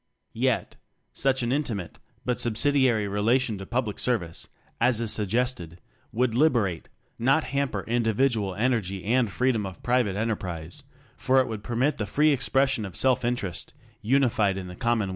Yet, such an intim ate, but subsidiary, relation to public service, as is suggested, would liberate not hamper individual energy and free dom of private enterprise, for it would permit the free expression of self interest unified in the commonweal.